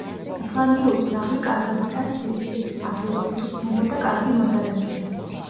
ისლანდიური ძაღლი კარგად იტანს სიცივეს, ადვილად იწვრთნება და კარგი მოდარაჯეა.